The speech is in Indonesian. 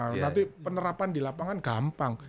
nanti penerapan di lapangan gampang